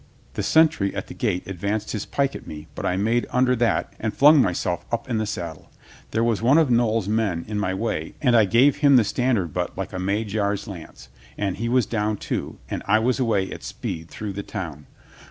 The sen try at the gate advanced his pike at me, but I made under that and flung myself up in the saddle. There was one of Noll's men in my way and I gave him the standard butt like a Magyar's lance, and he was down, too, and I was away at speed through the town.